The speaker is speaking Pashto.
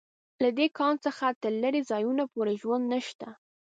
له دې کان څخه تر لېرې ځایونو پورې ژوند نشته